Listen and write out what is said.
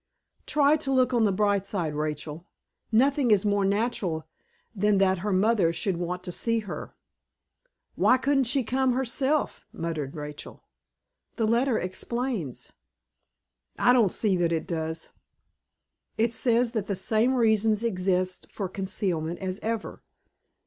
"Try to look on the bright side, Rachel. Nothing is more natural than that her mother should want to see her." "Why couldn't she come herself?" muttered Rachel. "The letter explains." "I don't see that it does." "It says that the same reasons exist for concealment as ever."